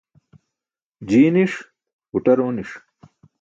Jii niṣ, buṭar ooni̇ṣ.